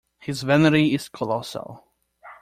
His vanity is colossal.